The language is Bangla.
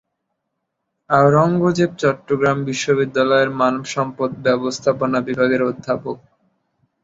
আওরঙ্গজেব চট্টগ্রাম বিশ্ববিদ্যালয়ের মানব সম্পদ ব্যবস্থাপনা বিভাগের অধ্যাপক।